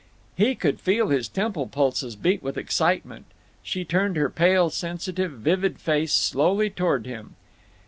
He could feel his temple pulses beat with excitement. She turned her pale sensitive vivid face slowly toward him.